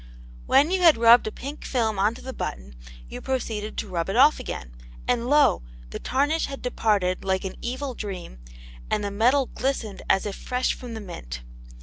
When you had rubbed a pink film on to the button you proceeded to rub it off again, and lo! the tarnish had departed like an evil dream and the metal glistened as if fresh from the mint.